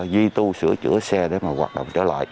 duy tu sửa chữa xe để mà hoạt động trở lại